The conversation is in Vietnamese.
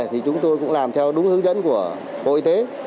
thì chúng tôi cũng làm theo đúng hướng dẫn của hội tế